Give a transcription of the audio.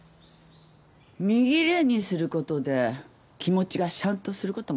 身ぎれいにすることで気持ちがしゃんとすることもある。